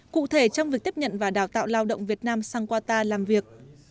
cụ thể trong việc tiếp nhận và đào tạo lao động việt nam sang qatar làm việc